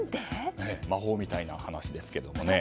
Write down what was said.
魔法みたいな話ですけれども。